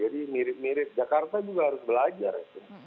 jadi mirip mirip jakarta juga harus belajar